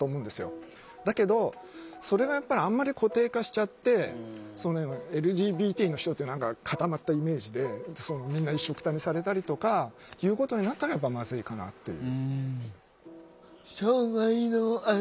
だけどそれがやっぱりあんまり固定化しちゃってＬＧＢＴの人って何か固まったイメージでみんないっしょくたにされたりとかいうことになったらやっぱまずいかなっていう。